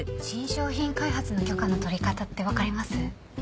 新商品開発の許可の取り方って分かります？